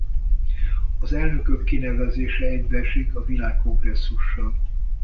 Az elnökök kinevezése egybeesik a világkongresszussal.